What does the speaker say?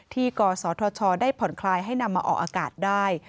กศธชได้ผ่อนคลายให้นำมาออกอากาศได้